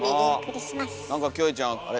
何かキョエちゃんあれ？